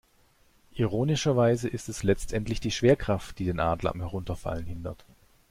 Ironischerweise ist es letztendlich die Schwerkraft, die den Adler am Herunterfallen hindert.